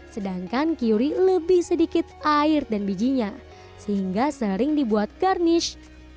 sedangkan kiri lebih sedikit air dan bijinya sehingga sering dibuat garnish